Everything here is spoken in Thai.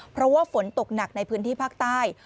เพราะว่าฝนตกหนักในพื้นที่ภาคใต้